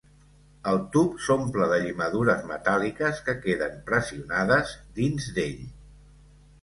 El tub s'omple de llimadures metàl·liques que queden pressionades dins d'ell.